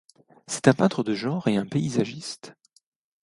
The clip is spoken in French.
C'est un peintre de genre et un paysagiste.